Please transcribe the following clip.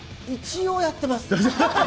一応、やってます。